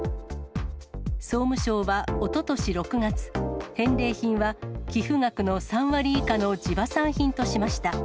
総務省はおととし６月、返礼品は寄付額の３割以下の地場産品としました。